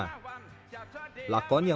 ketika di kota kota